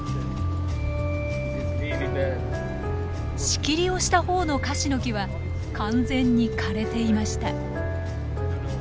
仕切りをしたほうのカシノキは完全に枯れていました。